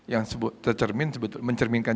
yang tercermin mencerminkan